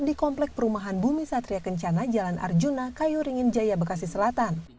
di komplek perumahan bumi satria kencana jalan arjuna kayu ringin jaya bekasi selatan